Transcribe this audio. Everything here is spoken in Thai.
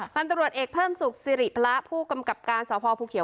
ตำรวจเอกเพิ่มสุขสิริพระผู้กำกับการสพภูเขียว